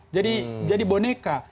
jadi jadi boneka